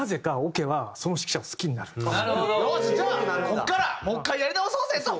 ここからもう１回やり直そうぜと。